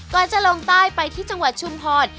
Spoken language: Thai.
ก่อนจะลงใต้ไปที่จังหวัดชุมภอน